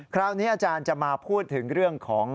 คราวนี้อาจารย์จะมาพูดถึงเรื่องของ